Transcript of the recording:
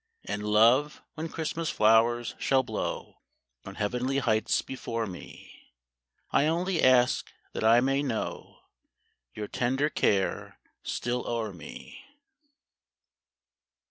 And, love, when Christmas flowers shall blow On heavenly heights before me, I only ask that I may know Your tender care still o'er me.